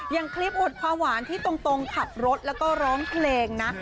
อย่างคลิปอดความหวานที่ตรงขับรถแล้วก็ร้องเพลงนะ